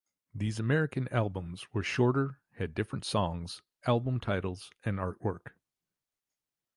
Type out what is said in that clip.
These American albums were shorter, had different songs, album titles and artwork.